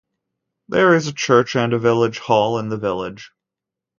There is a church and a village hall in the village.